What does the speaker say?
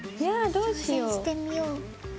挑戦してみよう。